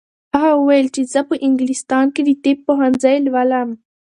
هغې وویل چې زه په انګلستان کې د طب پوهنځی لولم.